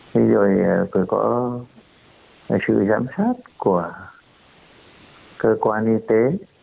ví dụ như phải có sự giám sát của cơ quan y tế